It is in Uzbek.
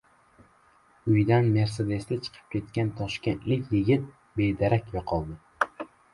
Uyidan «Mersedes»da chiqib ketgan toshkentlik yigit bedarak yo‘qolgan